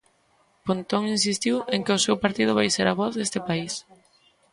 Pontón insistiu en que o seu partido vai ser a voz deste país.